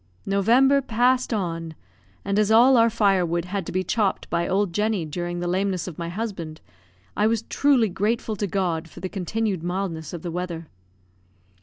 November passed on, and as all our firewood had to be chopped by old Jenny during the lameness of my husband, I was truly grateful to God for the continued mildness of the weather.